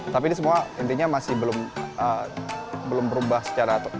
tapi ini semua intinya masih belum berubah secara